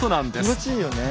気持ちいいよね。